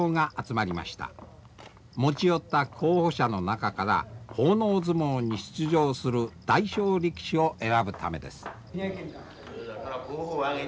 持ち寄った候補者の中から奉納相撲に出場する代表力士を選ぶためです。